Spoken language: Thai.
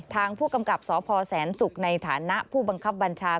ทางผู้กำกับสพแสนศุกร์ในฐานะผู้บังคับบัญชา